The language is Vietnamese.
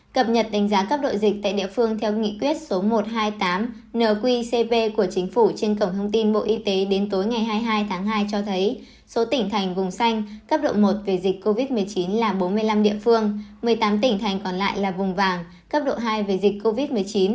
cập nhật tình giá cấp đội dịch tại địa phương theo nghị quyết số một trăm hai mươi tám nqcp của chính phủ trên cổng thông tin bộ y tế đến tối ngày hai mươi hai tháng hai cho thấy số tỉnh thành vùng xanh cấp độ một về dịch covid một mươi chín là bốn mươi năm địa phương một mươi tám tỉnh thành còn lại là vùng vàng cấp độ hai về dịch covid một mươi chín